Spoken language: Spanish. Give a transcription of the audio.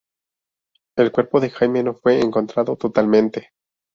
El cuerpo de Jaime no fue encontrado totalmente.